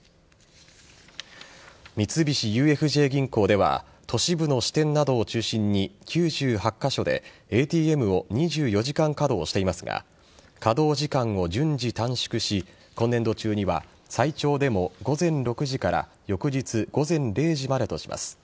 三菱ＵＦＪ銀行では都市部の支店などを中心に９８カ所でＡＴＭを２４時間稼働していますが稼働時間を順次短縮し今年度中には最長でも午前６時から翌日午前０時までとします。